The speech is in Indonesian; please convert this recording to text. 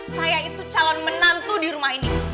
saya itu calon menantu di rumah ini